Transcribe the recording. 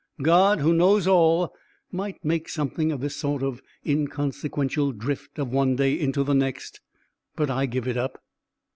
God, who knows all, might make something of this sort of inconsequential drift of one day into the next, but I give it up.